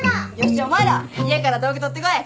じゃあお前ら家から道具取ってこい。